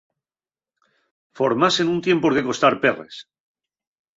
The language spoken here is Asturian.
Formase nun tien por qué costar perres.